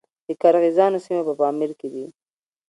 د قرغیزانو سیمې په پامیر کې دي